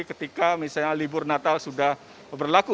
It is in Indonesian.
ketika misalnya libur natal sudah berlaku